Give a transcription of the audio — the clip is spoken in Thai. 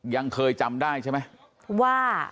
ยังเคยจำได้ใช่ไหมว่า